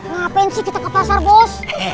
ngapain sih kita ke pasar bos